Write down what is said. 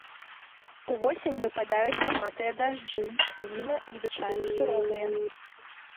Увосень выпадаюць багатыя дажджы, зімы звычайна суровыя.